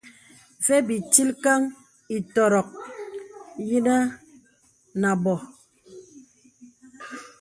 Və bì tilkəŋ ìtɔ̄rɔ̀k yinə̀ nə à bɔ̀.